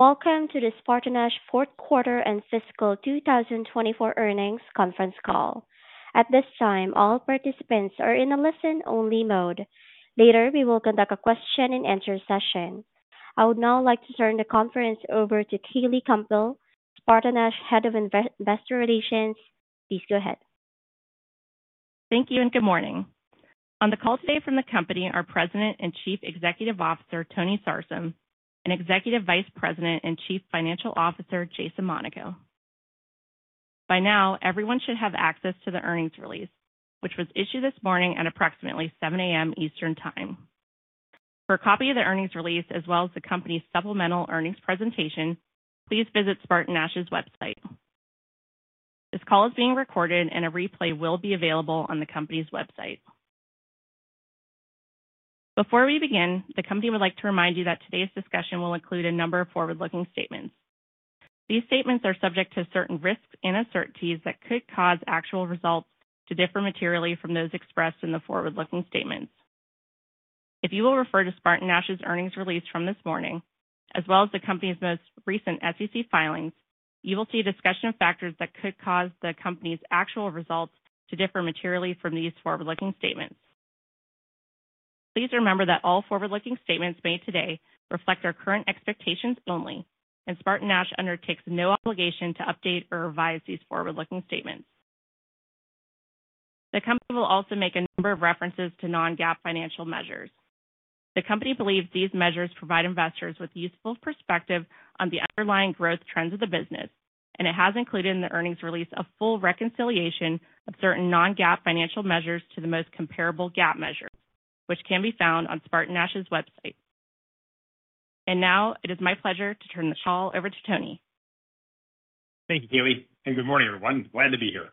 Welcome to the SpartanNash Fourth Quarter and Fiscal 2024 Earnings Conference Call. At this time, all participants are in a listen-only mode. Later, we will conduct a question-and-answer session. I would now like to turn the conference over to Kayleigh Campbell, SpartanNash Head of Investor Relations. Please go ahead. Thank you and good morning. On the call today from the company are President and Chief Executive Officer Tony Sarsam and Executive Vice President and Chief Financial Officer Jason Monaco. By now, everyone should have access to the earnings release, which was issued this morning at approximately 7:00 A.M. Eastern Time. For a copy of the earnings release, as well as the company's supplemental earnings presentation, please visit SpartanNash's website. This call is being recorded, and a replay will be available on the company's website. Before we begin, the company would like to remind you that today's discussion will include a number of forward-looking statements. These statements are subject to certain risks and uncertainties that could cause actual results to differ materially from those expressed in the forward-looking statements. If you will refer to SpartanNash's earnings release from this morning, as well as the company's most recent SEC filings, you will see a discussion of factors that could cause the company's actual results to differ materially from these forward-looking statements. Please remember that all forward-looking statements made today reflect our current expectations only, and SpartanNash undertakes no obligation to update or revise these forward-looking statements. The company will also make a number of references to non-GAAP financial measures. The company believes these measures provide investors with useful perspective on the underlying growth trends of the business, and it has included in the earnings release a full reconciliation of certain non-GAAP financial measures to the most comparable GAAP measures, which can be found on SpartanNash's website. And now, it is my pleasure to turn the call over to Tony. Thank you, Kayleigh, and good morning, everyone. Glad to be here.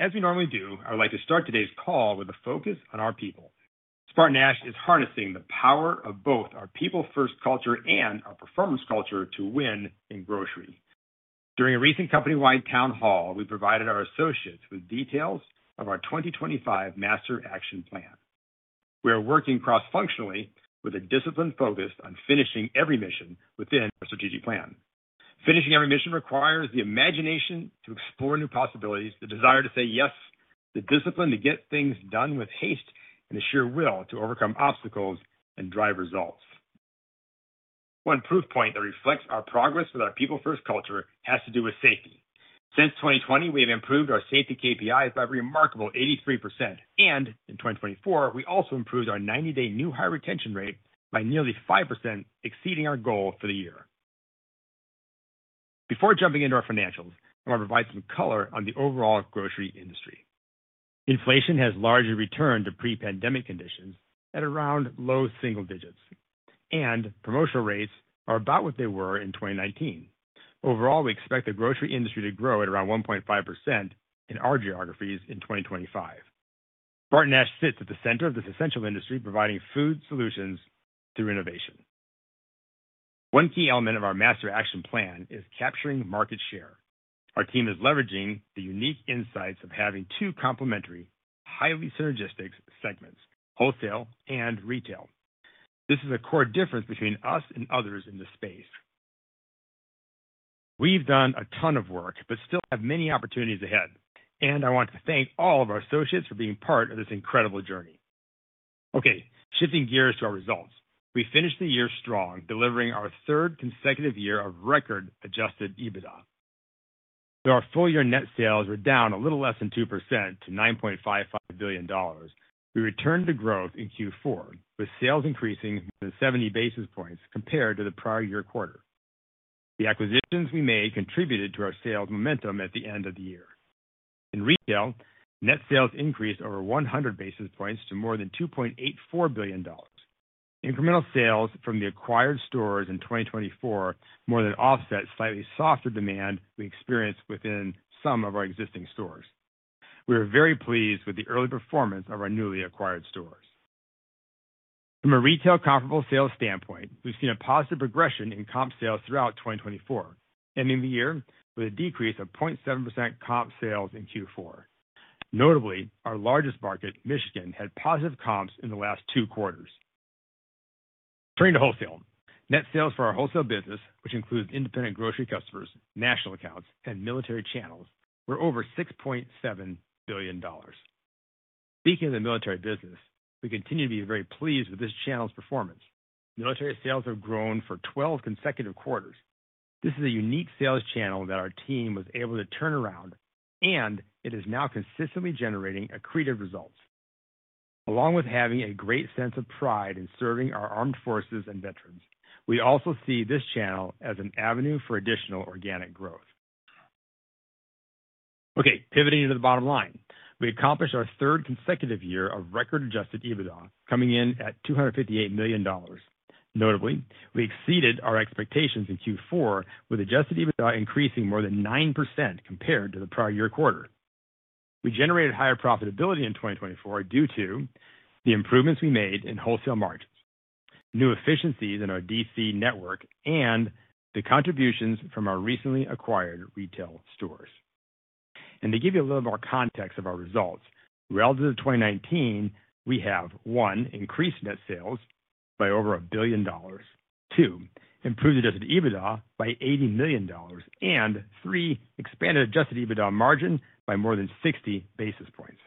As we normally do, I would like to start today's call with a focus on our people. SpartanNash is harnessing the power of both our people-first culture and our performance culture to win in grocery. During a recent company-wide town hall, we provided our associates with details of our 2025 Master Action Plan. We are working cross-functionally with a discipline focused on finishing every mission within our strategic plan. Finishing every mission requires the imagination to explore new possibilities, the desire to say yes, the discipline to get things done with haste, and the sheer will to overcome obstacles and drive results. One proof point that reflects our progress with our people-first culture has to do with safety. Since 2020, we have improved our safety KPIs by a remarkable 83%, and in 2024, we also improved our 90-day new hire retention rate by nearly 5%, exceeding our goal for the year. Before jumping into our financials, I want to provide some color on the overall grocery industry. Inflation has largely returned to pre-pandemic conditions at around low single digits, and promotional rates are about what they were in 2019. Overall, we expect the grocery industry to grow at around 1.5% in our geographies in 2025. SpartanNash sits at the center of this essential industry, providing food solutions through innovation. One key element of our Master Action Plan is capturing market share. Our team is leveraging the unique insights of having two complementary, highly synergistic segments: Wholesale and Retail. This is a core difference between us and others in this space. We've done a ton of work but still have many opportunities ahead, and I want to thank all of our associates for being part of this incredible journey. Okay, shifting gears to our results, we finished the year strong, delivering our third consecutive year of record adjusted EBITDA. Though our full-year net sales were down a little less than 2% to $9.55 billion, we returned to growth in Q4, with sales increasing more than 70 basis points compared to the prior year quarter. The acquisitions we made contributed to our sales momentum at the end of the year. In Retail, net sales increased over 100 basis points to more than $2.84 billion. Incremental sales from the acquired stores in 2024 more than offset slightly softer demand we experienced within some of our existing stores. We are very pleased with the early performance of our newly acquired stores. From a Retail comparable sales standpoint, we've seen a positive progression in comp sales throughout 2024, ending the year with a decrease of 0.7% comp sales in Q4. Notably, our largest market, Michigan, had positive comps in the last two quarters. Turning to Wholesale, net sales for our Wholesale business, which includes independent grocery customers, national accounts, and military channels, were over $6.7 billion. Speaking of the military business, we continue to be very pleased with this channel's performance. Military sales have grown for 12 consecutive quarters. This is a unique sales channel that our team was able to turn around, and it is now consistently generating accretive results. Along with having a great sense of pride in serving our armed forces and veterans, we also see this channel as an avenue for additional organic growth. Okay, pivoting to the bottom line, we accomplished our third consecutive year of record-adjusted EBITDA, coming in at $258 million. Notably, we exceeded our expectations in Q4, with adjusted EBITDA increasing more than 9% compared to the prior year quarter. We generated higher profitability in 2024 due to the improvements we made in Wholesale margins, new efficiencies in our DC network, and the contributions from our recently acquired retail stores. And to give you a little more context of our results, relative to 2019, we have: one, increased net sales by over a billion dollars; two, improved adjusted EBITDA by $80 million; and three, expanded adjusted EBITDA margin by more than 60 basis points.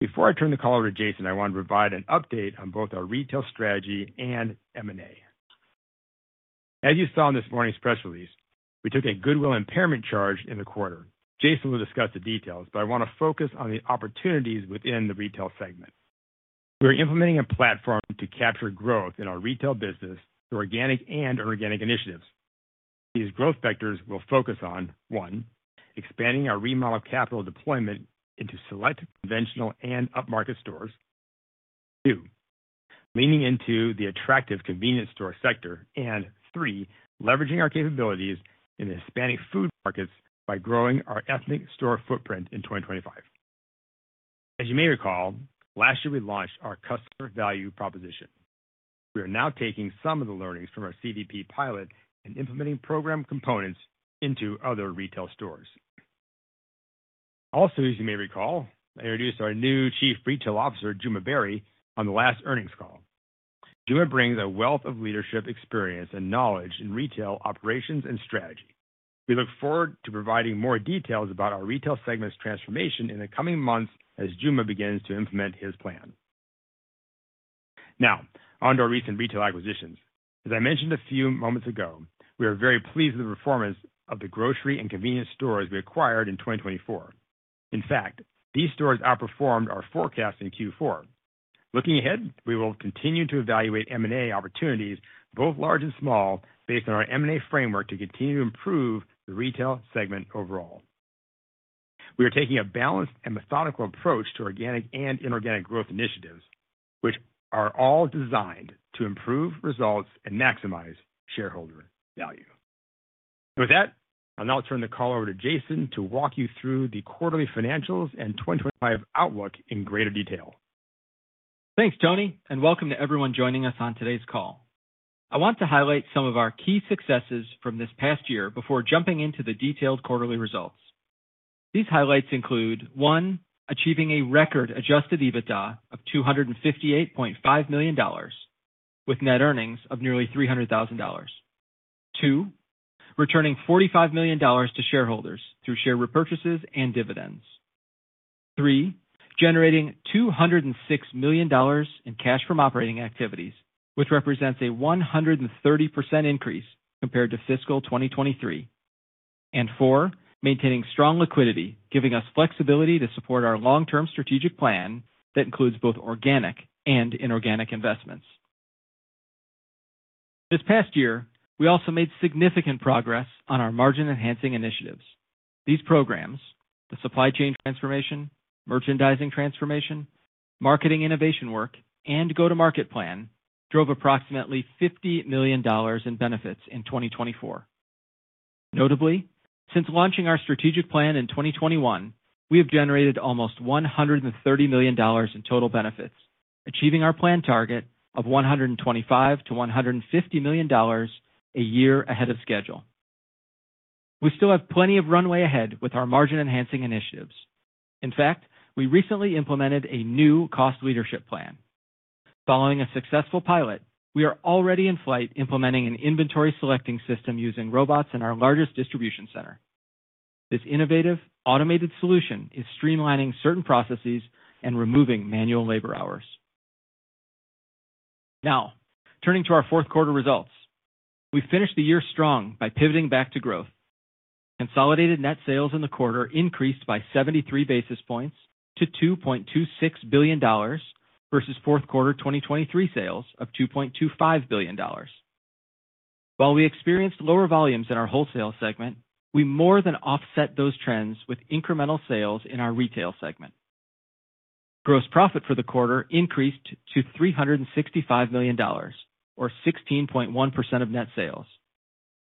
Before I turn the call over to Jason, I want to provide an update on both our retail strategy and M&A. As you saw in this morning's press release, we took a goodwill impairment charge in the quarter. Jason will discuss the details, but I want to focus on the opportunities within the Retail segment. We are implementing a platform to capture growth in our Retail business through organic and inorganic initiatives. These growth vectors will focus on: one, expanding our remodel capital deployment into select conventional and upmarket stores, two, leaning into the attractive convenience store sector, and three, leveraging our capabilities in the Hispanic food markets by growing our ethnic store footprint in 2025. As you may recall, last year we launched our customer value proposition. We are now taking some of the learnings from our CVP pilot and implementing program components into other retail stores. Also, as you may recall, I introduced our new Chief Retail Officer, Djouma Barry, on the last earnings call. Djouma brings a wealth of leadership experience and knowledge in Retail operations and strategy. We look forward to providing more details about our Retail segment's transformation in the coming months as Djouma begins to implement his plan. Now, on to our recent Retail acquisitions. As I mentioned a few moments ago, we are very pleased with the performance of the grocery and convenience stores we acquired in 2024. In fact, these stores outperformed our forecast in Q4. Looking ahead, we will continue to evaluate M&A opportunities, both large and small, based on our M&A framework to continue to improve the Retail segment overall. We are taking a balanced and methodical approach to organic and inorganic growth initiatives, which are all designed to improve results and maximize shareholder value. With that, I'll now turn the call over to Jason to walk you through the quarterly financials and 2025 outlook in greater detail. Thanks, Tony, and welcome to everyone joining us on today's call. I want to highlight some of our key successes from this past year before jumping into the detailed quarterly results. These highlights include: one, achieving a record adjusted EBITDA of $258.5 million with net earnings of nearly $300,000; two, returning $45 million to shareholders through share repurchases and dividends; three, generating $206 million in cash from operating activities, which represents a 130% increase compared to fiscal 2023; and four, maintaining strong liquidity, giving us flexibility to support our long-term strategic plan that includes both organic and inorganic investments. This past year, we also made significant progress on our margin-enhancing initiatives. These programs, the supply chain transformation, merchandising transformation, marketing innovation work, and go-to-market plan, drove approximately $50 million in benefits in 2024. Notably, since launching our strategic plan in 2021, we have generated almost $130 million in total benefits, achieving our planned target of $125 million-$150 million a year ahead of schedule. We still have plenty of runway ahead with our margin-enhancing initiatives. In fact, we recently implemented a new cost leadership plan. Following a successful pilot, we are already in flight implementing an inventory selecting system using robots in our largest distribution center. This innovative automated solution is streamlining certain processes and removing manual labor hours. Now, turning to our fourth quarter results, we finished the year strong by pivoting back to growth. Consolidated net sales in the quarter increased by 73 basis points to $2.26 billion versus fourth quarter 2023 sales of $2.25 billion. While we experienced lower volumes in our Wholesale segment, we more than offset those trends with incremental sales in our Retail segment. Gross profit for the quarter increased to $365 million, or 16.1% of net sales,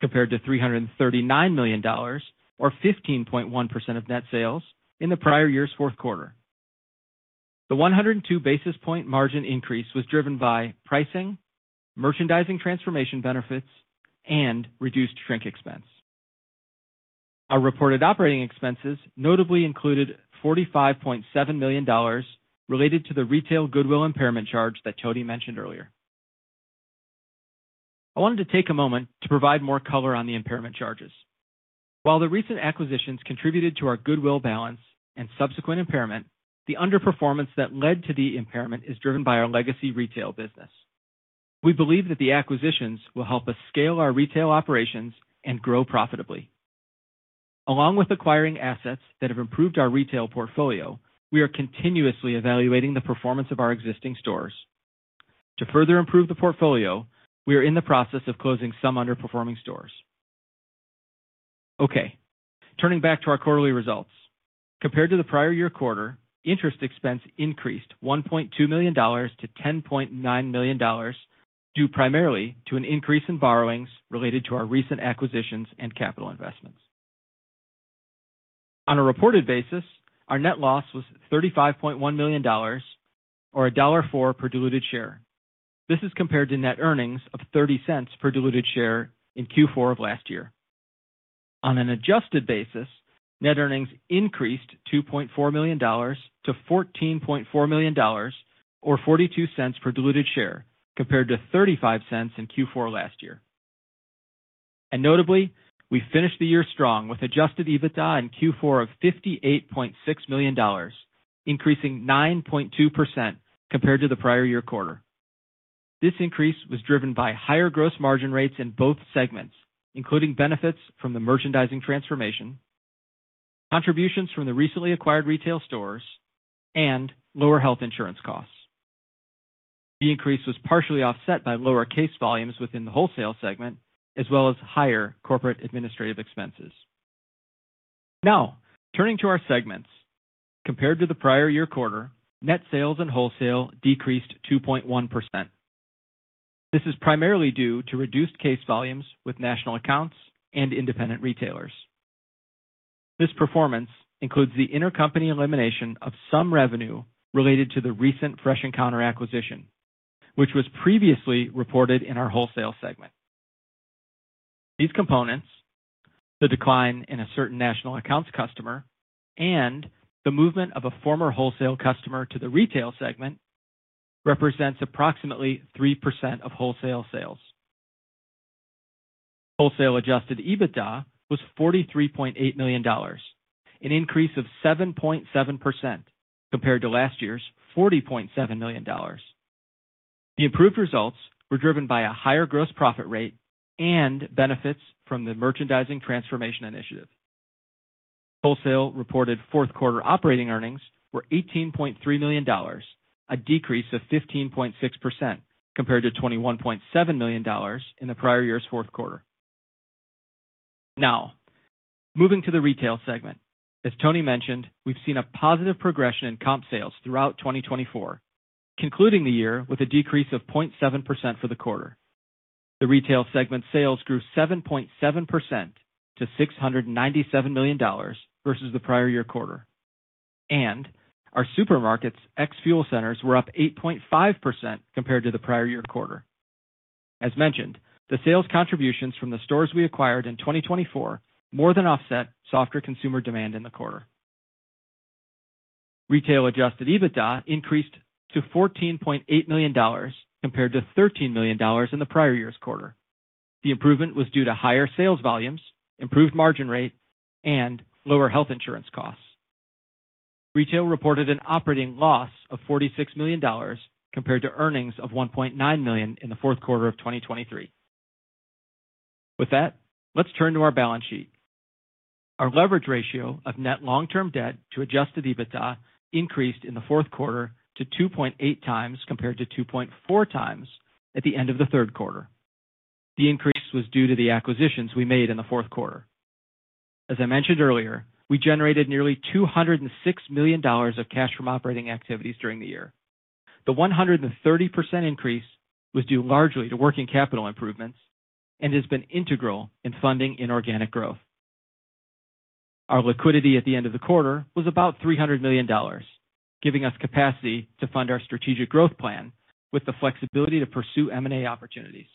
compared to $339 million, or 15.1% of net sales in the prior year's fourth quarter. The 102 basis point margin increase was driven by pricing, merchandising transformation benefits, and reduced shrink expense. Our reported operating expenses notably included $45.7 million related to the Retail goodwill impairment charge that Tony mentioned earlier. I wanted to take a moment to provide more color on the impairment charges. While the recent acquisitions contributed to our goodwill balance and subsequent impairment, the underperformance that led to the impairment is driven by our legacy Retail business. We believe that the acquisitions will help us scale our Retail operations and grow profitably. Along with acquiring assets that have improved our Retail portfolio, we are continuously evaluating the performance of our existing stores. To further improve the portfolio, we are in the process of closing some underperforming stores. Okay, turning back to our quarterly results. Compared to the prior year quarter, interest expense increased $1.2 million to $10.9 million due primarily to an increase in borrowings related to our recent acquisitions and capital investments. On a reported basis, our net loss was $35.1 million, or $1.04 per diluted share. This is compared to net earnings of $0.30 per diluted share in Q4 of last year. On an adjusted basis, net earnings increased $2.4 million to $14.4 million, or $0.42 per diluted share, compared to $0.35 in Q4 last year. And notably, we finished the year strong with adjusted EBITDA in Q4 of $58.6 million, increasing 9.2% compared to the prior year quarter. This increase was driven by higher gross margin rates in both segments, including benefits from the merchandising transformation, contributions from the recently acquired retail stores, and lower health insurance costs. The increase was partially offset by lower case volumes within the Wholesale segment, as well as higher corporate administrative expenses. Now, turning to our segments, compared to the prior year quarter, net sales in Wholesale decreased 2.1%. This is primarily due to reduced case volumes with national accounts and independent retailers. This performance includes the intercompany elimination of some revenue related to the recent Fresh Encounter acquisition, which was previously reported in our Wholesale segment. These components, the decline in a certain national accounts customer, and the movement of a former Wholesale customer to the Retail segment, represents approximately 3% of Wholesale sales. Wholesale adjusted EBITDA was $43.8 million, an increase of 7.7% compared to last year's $40.7 million. The improved results were driven by a higher gross profit rate and benefits from the merchandising transformation initiative. Wholesale reported fourth quarter operating earnings were $18.3 million, a decrease of 15.6% compared to $21.7 million in the prior year's fourth quarter. Now, moving to the Retail segment. As Tony mentioned, we've seen a positive progression in comp sales throughout 2024, concluding the year with a decrease of 0.7% for the quarter. The Retail segment sales grew 7.7% to $697 million versus the prior year quarter. And our supermarkets' and fuel centers were up 8.5% compared to the prior year quarter. As mentioned, the sales contributions from the stores we acquired in 2024 more than offset softer consumer demand in the quarter. Retail adjusted EBITDA increased to $14.8 million compared to $13 million in the prior year's quarter. The improvement was due to higher sales volumes, improved margin rate, and lower health insurance costs. Retail reported an operating loss of $46 million compared to earnings of $1.9 million in the fourth quarter of 2023. With that, let's turn to our balance sheet. Our leverage ratio of net long-term debt to adjusted EBITDA increased in the fourth quarter to 2.8x compared to 2.4x at the end of the third quarter. The increase was due to the acquisitions we made in the fourth quarter. As I mentioned earlier, we generated nearly $206 million of cash from operating activities during the year. The 130% increase was due largely to working capital improvements and has been integral in funding inorganic growth. Our liquidity at the end of the quarter was about $300 million, giving us capacity to fund our strategic growth plan with the flexibility to pursue M&A opportunities.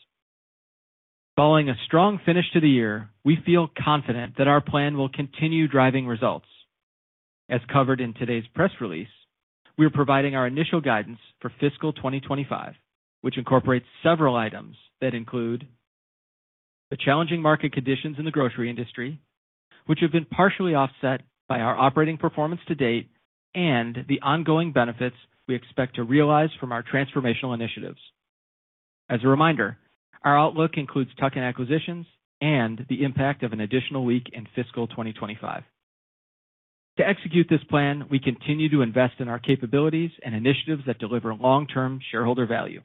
Following a strong finish to the year, we feel confident that our plan will continue driving results. As covered in today's press release, we are providing our initial guidance for fiscal 2025, which incorporates several items that include: the challenging market conditions in the grocery industry, which have been partially offset by our operating performance to date, and the ongoing benefits we expect to realize from our transformational initiatives. As a reminder, our outlook includes tuck-in acquisitions and the impact of an additional week in fiscal 2025. To execute this plan, we continue to invest in our capabilities and initiatives that deliver long-term shareholder value.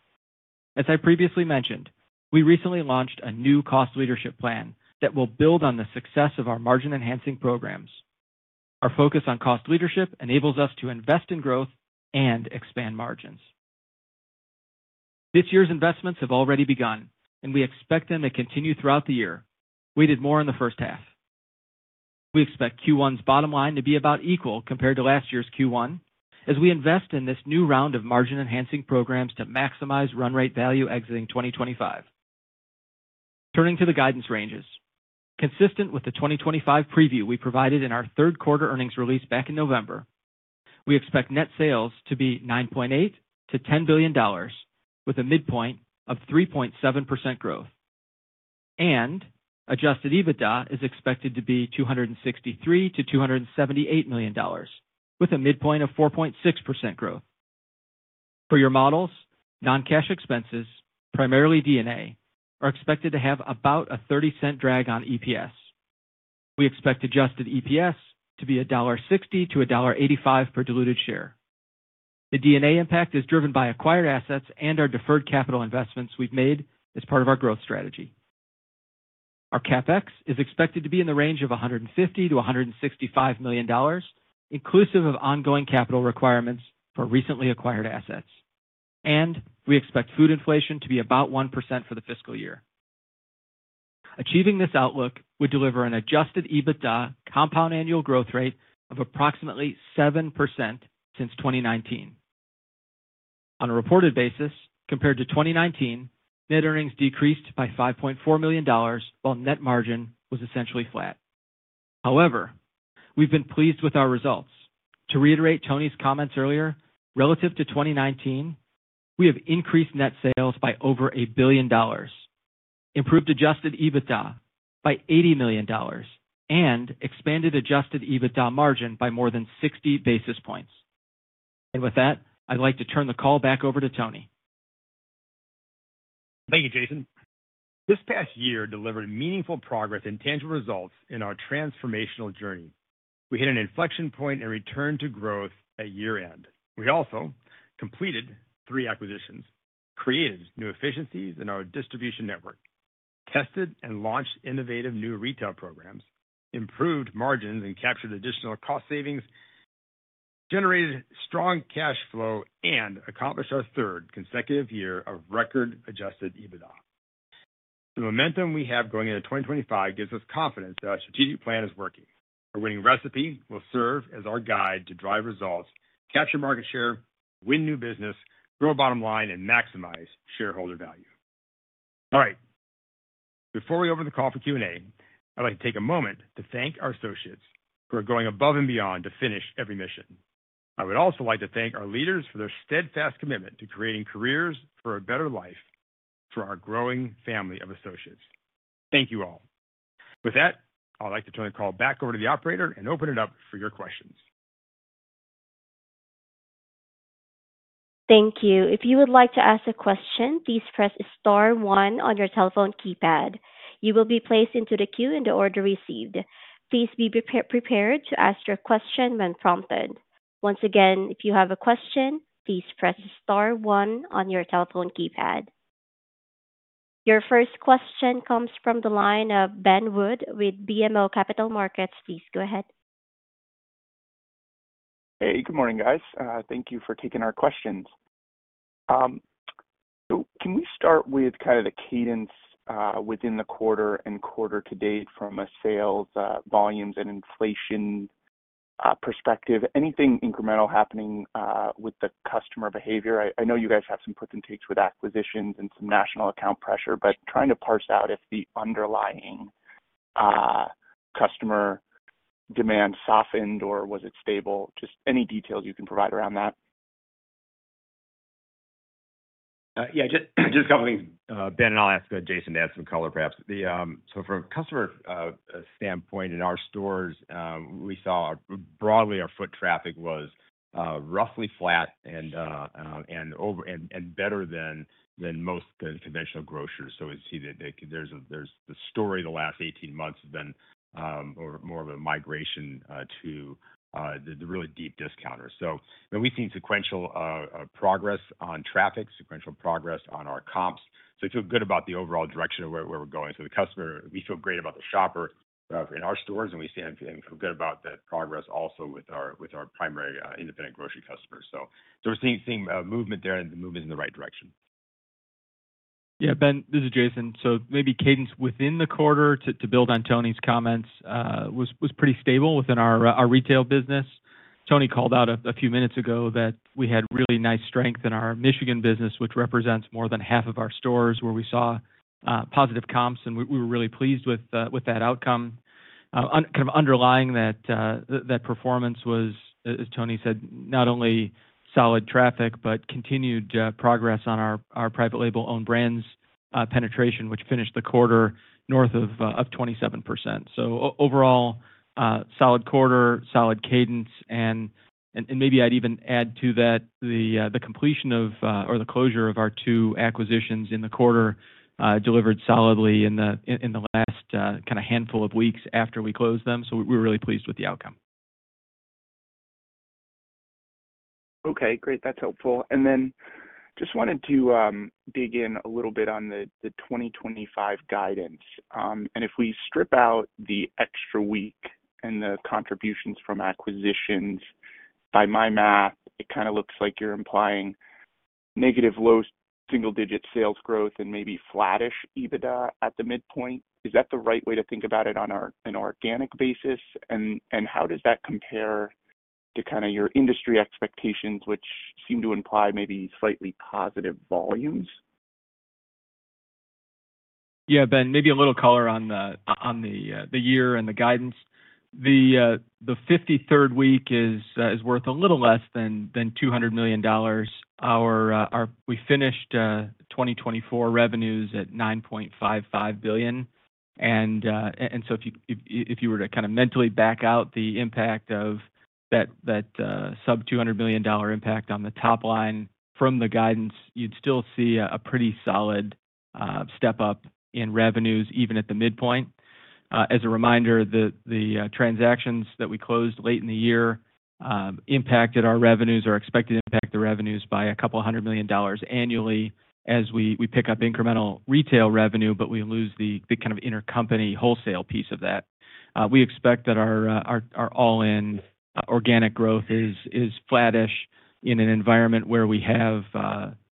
As I previously mentioned, we recently launched a new Cost Leadership Plan that will build on the success of our margin-enhancing programs. Our focus on cost leadership enables us to invest in growth and expand margins. This year's investments have already begun, and we expect them to continue throughout the year, weighted more in the first half. We expect Q1's bottom line to be about equal compared to last year's Q1, as we invest in this new round of margin-enhancing programs to maximize run rate value exiting 2025. Turning to the guidance ranges, consistent with the 2025 preview we provided in our third quarter earnings release back in November, we expect net sales to be $9.8 billion-$10 billion, with a midpoint of 3.7% growth. Adjusted EBITDA is expected to be $263 million-$278 million, with a midpoint of 4.6% growth. For your models, non-cash expenses, primarily D&A, are expected to have about a $0.30 drag on EPS. We expect adjusted EPS to be $1.60-$1.85 per diluted share. The D&A impact is driven by acquired assets and our deferred capital investments we've made as part of our growth strategy. Our CapEx is expected to be in the range of $150 million-$165 million, inclusive of ongoing capital requirements for recently acquired assets. We expect food inflation to be about 1% for the fiscal year. Achieving this outlook would deliver an adjusted EBITDA compound annual growth rate of approximately 7% since 2019. On a reported basis, compared to 2019, net earnings decreased by $5.4 million, while net margin was essentially flat. However, we've been pleased with our results. To reiterate Tony's comments earlier, relative to 2019, we have increased net sales by over $1 billion, improved adjusted EBITDA by $80 million, and expanded adjusted EBITDA margin by more than 60 basis points. With that, I'd like to turn the call back over to Tony. Thank you, Jason. This past year delivered meaningful progress and tangible results in our transformational journey. We hit an inflection point and returned to growth at year-end. We also completed three acquisitions, created new efficiencies in our distribution network, tested and launched innovative new Retail programs, improved margins and captured additional cost savings, generated strong cash flow, and accomplished our third consecutive year of record adjusted EBITDA. The momentum we have going into 2025 gives us confidence that our strategic plan is working. Our winning recipe will serve as our guide to drive results, capture market share, win new business, grow bottom line, and maximize shareholder value. All right. Before we open the call for Q&A, I'd like to take a moment to thank our associates who are going above and beyond to finish every mission. I would also like to thank our leaders for their steadfast commitment to creating careers for a better life for our growing family of associates. Thank you all. With that, I'd like to turn the call back over to the operator and open it up for your questions. Thank you. If you would like to ask a question, please press star one on your telephone keypad. You will be placed into the queue in the order received. Please be prepared to ask your question when prompted. Once again, if you have a question, please press star one on your telephone keypad. Your first question comes from the line of Ben Wood with BMO Capital Markets. Please go ahead. Hey, good morning, guys. Thank you for taking our questions. So can we start with kind of the cadence within the quarter and quarter-to-date from a sales volumes and inflation perspective? Anything incremental happening with the customer behavior? I know you guys have some puts and takes with acquisitions and some national account pressure, but trying to parse out if the underlying customer demand softened or was it stable? Just any details you can provide around that? Yeah, just a couple of things, Ben, and I'll ask Jason to add some color, perhaps. So from a customer standpoint, in our stores, we saw broadly our foot traffic was roughly flat and better than most conventional grocers. So we see that there's the story the last 18 months has been more of a migration to the really deep discounters. So we've seen sequential progress on traffic, sequential progress on our comps. So we feel good about the overall direction of where we're going. So the customer, we feel great about the shopper in our stores, and we feel good about the progress also with our primary independent grocery customers. So we're seeing movement there, and the movement's in the right direction. Yeah, Ben, this is Jason. So maybe cadence within the quarter, to build on Tony's comments, was pretty stable within our Retail business. Tony called out a few minutes ago that we had really nice strength in our Michigan business, which represents more than half of our stores where we saw positive comps, and we were really pleased with that outcome. Kind of underlying that performance was, as Tony said, not only solid traffic, but continued progress on our private label-owned brands penetration, which finished the quarter north of 27%. So overall, solid quarter, solid cadence, and maybe I'd even add to that the completion of or the closure of our two acquisitions in the quarter delivered solidly in the last kind of handful of weeks after we closed them. So we're really pleased with the outcome. Okay, great. That's helpful. And then just wanted to dig in a little bit on the 2025 guidance. And if we strip out the extra week and the contributions from acquisitions, by my math, it kind of looks like you're implying negative low single-digit sales growth and maybe flattish EBITDA at the midpoint. Is that the right way to think about it on an organic basis? And how does that compare to kind of your industry expectations, which seem to imply maybe slightly positive volumes? Yeah, Ben, maybe a little color on the year and the guidance. The 53rd week is worth a little less than $200 million. We finished 2024 revenues at $9.55 billion. And so if you were to kind of mentally back out the impact of that sub-$200 million impact on the top line from the guidance, you'd still see a pretty solid step up in revenues, even at the midpoint. As a reminder, the transactions that we closed late in the year impacted our revenues, or expected to impact the revenues by a couple hundred million dollars annually as we pick up incremental Retail revenue, but we lose the kind of intercompany wholesale piece of that. We expect that our all-in organic growth is flattish in an environment where we have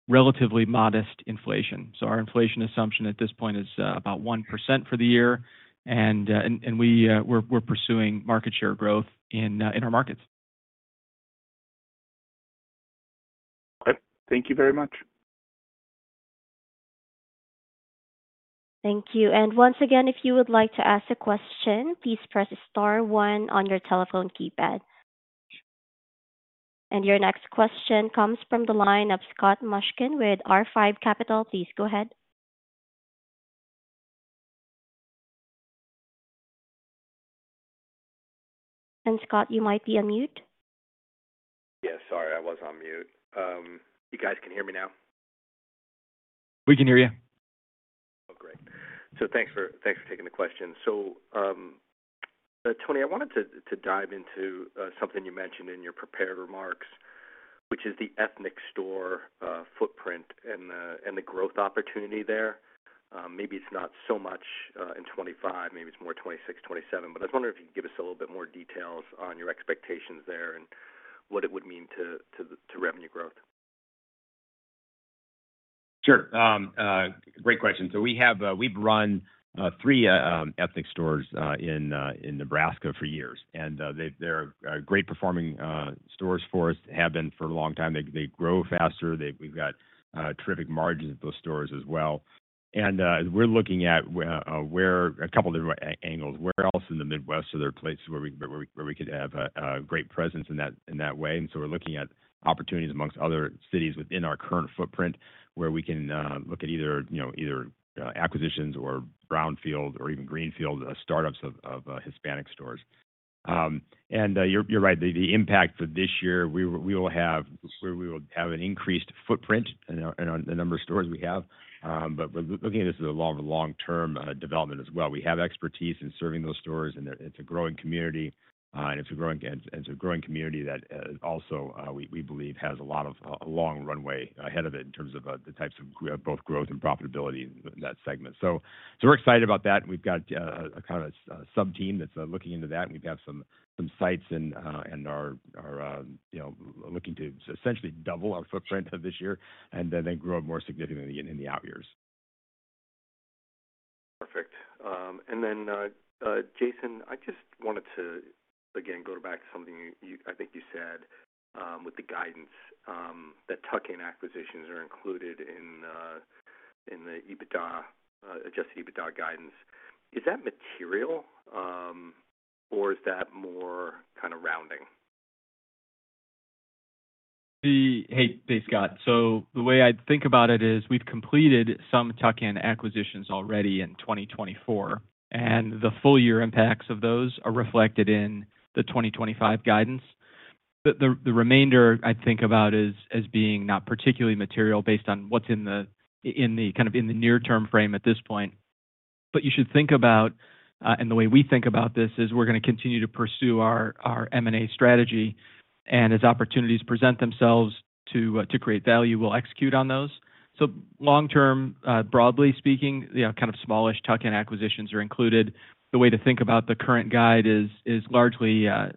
relatively modest inflation. So our inflation assumption at this point is about 1% for the year, and we're pursuing market share growth in our markets. Okay, thank you very much. Thank you. And once again, if you would like to ask a question, please press star one on your telephone keypad. And your next question comes from the line of Scott Mushkin with R5 Capital. Please go ahead. And Scott, you might be on mute. Yes, sorry, I was on mute. You guys can hear me now? We can hear you. Oh, great. So thanks for taking the question. So Tony, I wanted to dive into something you mentioned in your prepared remarks, which is the ethnic store footprint and the growth opportunity there. Maybe it's not so much in 2025, maybe it's more 2026, 2027. But I was wondering if you could give us a little bit more details on your expectations there and what it would mean to revenue growth. Sure. Great question. So we've run three ethnic stores in Nebraska for years, and they're great performing stores for us, have been for a long time. They grow faster. We've got terrific margins at those stores as well. And we're looking at a couple of different angles. Where else in the Midwest are there places where we could have a great presence in that way? And so we're looking at opportunities amongst other cities within our current footprint where we can look at either acquisitions or brownfield or even greenfield startups of Hispanic stores. And you're right, the impact for this year, we will have an increased footprint in the number of stores we have. But looking at this as a long-term development as well. We have expertise in serving those stores, and it's a growing community. It's a growing community that also, we believe, has a long runway ahead of it in terms of the types of both growth and profitability in that segment. We're excited about that. We've got a kind of sub-team that's looking into that, and we've had some sites in our looking to essentially double our footprint this year and then grow more significantly in the out years. Perfect. And then, Jason, I just wanted to, again, go back to something I think you said with the guidance that tuck-in acquisitions are included in the adjusted EBITDA guidance. Is that material, or is that more kind of rounding? Hey, hey, Scott. So the way I'd think about it is we've completed some tuck-in acquisitions already in 2024, and the full year impacts of those are reflected in the 2025 guidance. The remainder, I'd think about as being not particularly material based on what's in the kind of near-term frame at this point. But you should think about, and the way we think about this is we're going to continue to pursue our M&A strategy, and as opportunities present themselves to create value, we'll execute on those. So long-term, broadly speaking, kind of smallish tuck-in acquisitions are included. The way to think about the current guide is largely M&A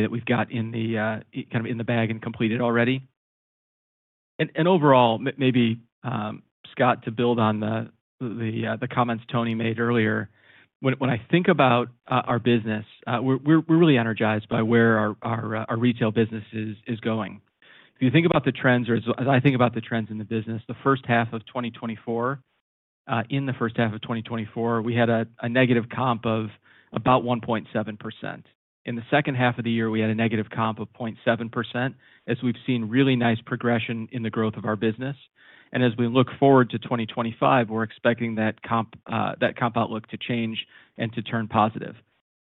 that we've got kind of in the bag and completed already. Overall, maybe, Scott, to build on the comments Tony made earlier, when I think about our business, we're really energized by where our Retail business is going. If you think about the trends, or as I think about the trends in the business, the first half of 2024, we had a negative comp of about 1.7%. In the second half of the year, we had a negative comp of 0.7%, as we've seen really nice progression in the growth of our business. As we look forward to 2025, we're expecting that comp outlook to change and to turn positive.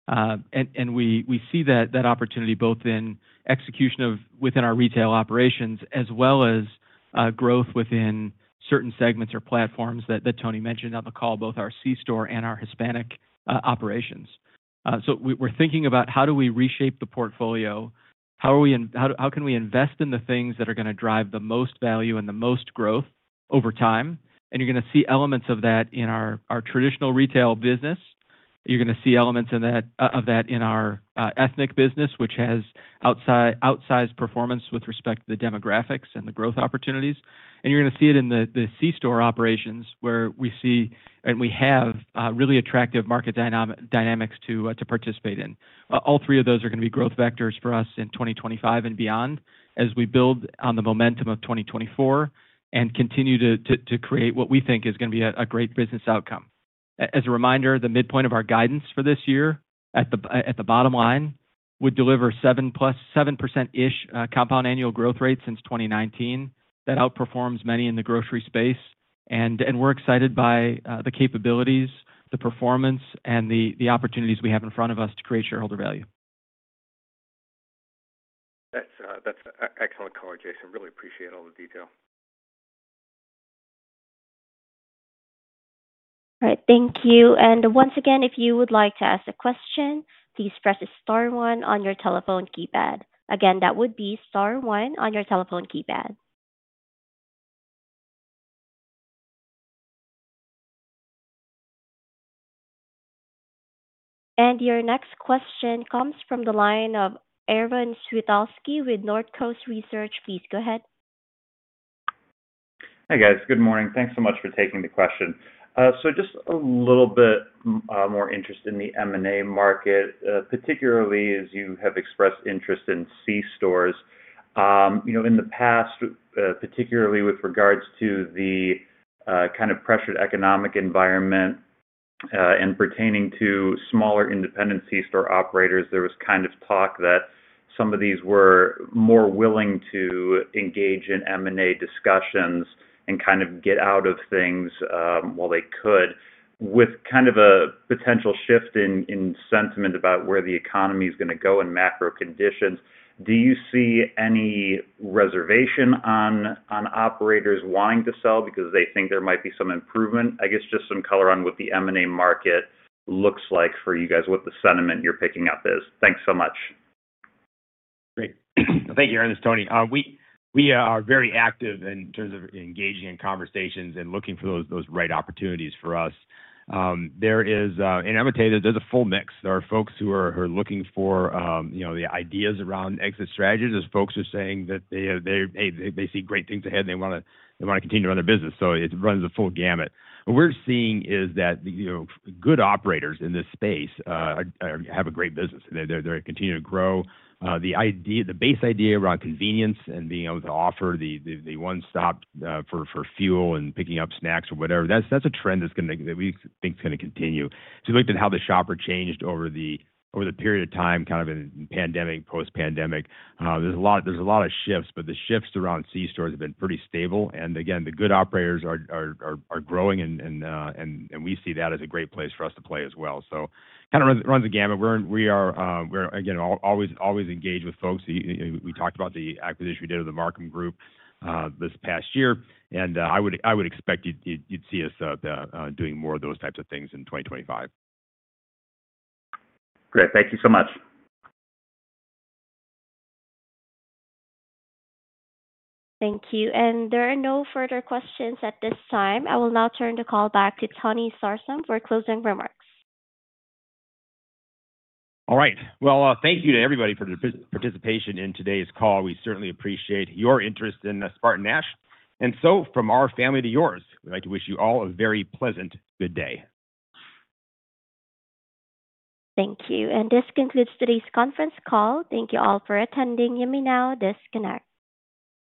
We see that opportunity both in execution within our Retail operations as well as growth within certain segments or platforms that Tony mentioned on the call, both our c-store and our Hispanic operations. So we're thinking about how do we reshape the portfolio? How can we invest in the things that are going to drive the most value and the most growth over time? And you're going to see elements of that in our traditional Retail business. You're going to see elements of that in our ethnic business, which has outsized performance with respect to the demographics and the growth opportunities. And you're going to see it in the c-store operations where we see and we have really attractive market dynamics to participate in. All three of those are going to be growth vectors for us in 2025 and beyond as we build on the momentum of 2024 and continue to create what we think is going to be a great business outcome. As a reminder, the midpoint of our guidance for this year at the bottom line would deliver 7%-ish compound annual growth rate since 2019. That outperforms many in the grocery space. And we're excited by the capabilities, the performance, and the opportunities we have in front of us to create shareholder value. That's excellent color, Jason. Really appreciate all the detail. All right. Thank you, and once again, if you would like to ask a question, please press star one on your telephone keypad. Again, that would be star one on your telephone keypad, and your next question comes from the line of Aaron Switalski with North Coast Research. Please go ahead. Hey, guys. Good morning. Thanks so much for taking the question. So just a little bit more interest in the M&A market, particularly as you have expressed interest in c-stores. In the past, particularly with regards to the kind of pressured economic environment and pertaining to smaller independent c-store operators, there was kind of talk that some of these were more willing to engage in M&A discussions and kind of get out of things while they could. With kind of a potential shift in sentiment about where the economy is going to go and macro conditions, do you see any reservation on operators wanting to sell because they think there might be some improvement? I guess just some color on what the M&A market looks like for you guys, what the sentiment you're picking up is. Thanks so much. Great. Thank you, Aaron. It's Tony. We are very active in terms of engaging in conversations and looking for those right opportunities for us. And I'm going to tell you, there's a full mix. There are folks who are looking for the ideas around exit strategies. There's folks who are saying that they see great things ahead, and they want to continue to run their business. So it runs the full gamut. What we're seeing is that good operators in this space have a great business. They're continuing to grow. The base idea around convenience and being able to offer the one-stop for fuel and picking up snacks or whatever, that's a trend that we think is going to continue. So we looked at how the shopper changed over the period of time, kind of in pandemic, post-pandemic. There's a lot of shifts, but the shifts around c-stores have been pretty stable. And again, the good operators are growing, and we see that as a great place for us to play as well. So kind of runs the gamut. We are, again, always engaged with folks. We talked about the acquisition we did with the Markham Group this past year, and I would expect you'd see us doing more of those types of things in 2025. Great. Thank you so much. Thank you. And there are no further questions at this time. I will now turn the call back to Tony Sarsam for closing remarks. All right. Well, thank you to everybody for the participation in today's call. We certainly appreciate your interest in SpartanNash. And so from our family to yours, we'd like to wish you all a very pleasant, good day. Thank you. And this concludes today's conference call. Thank you all for attending. You may now disconnect.